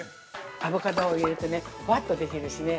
アボカドを入れるとね、ふわっとできるしね。